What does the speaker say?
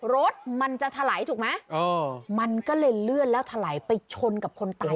รถมันจะถลายถูกไหมมันก็เลยเลื่อนแล้วถลายไปชนกับคนตาย